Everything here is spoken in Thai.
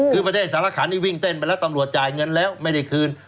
คือประเทศสารขันนี่วิ่งเต้นไปแล้วตำรวจจ่ายเงินแล้วไม่ได้คืน